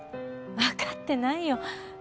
分かってないよ。